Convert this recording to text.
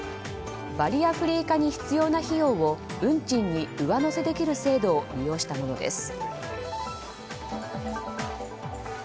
バリアフリー化に必要な費用を運賃に上乗せできる制度を利用したものです。